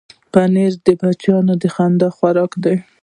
پنېر د بچیانو د خندا خوراک دی.